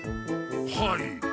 はい。